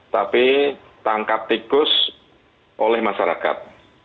tapi tangkap tikus oleh masyarakat